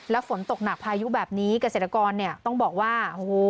ฝนตกหนักพายุแบบนี้เกษตรกรเนี่ยต้องบอกว่าโอ้โห